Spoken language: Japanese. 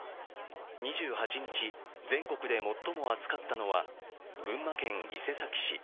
２８日、全国で最も暑かったのは群馬県伊勢崎市。